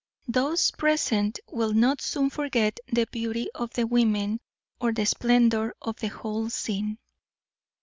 Those present will not soon forget the beauty of the women or the splendor of the whole scene.